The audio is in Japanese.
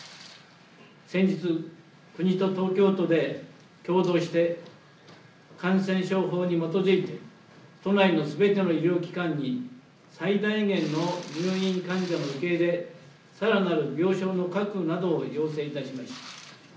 先日、国と東京都で共同して感染症法に基づいて都内のすべての医療機関に最大限の入院患者の受け入れ、さらなる病床の確保などを要請をいたしました。